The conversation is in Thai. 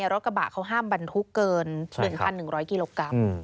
รถกระบะเขาห้ามบรรทุกเกิน๑๑๐๐กิโลกรัม